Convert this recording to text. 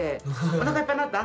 おなかいっぱいになった？